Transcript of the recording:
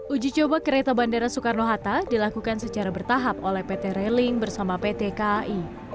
uji coba kereta bandara soekarno hatta dilakukan secara bertahap oleh pt railing bersama pt kai